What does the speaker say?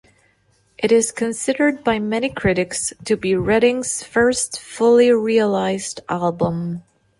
It is considered by many critics to be Redding's first fully realized album.